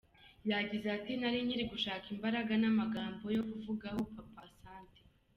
Yagize ati “ Nari nkiri gushaka imbaraga n’amagambo yo kukuvugaho papa Asante.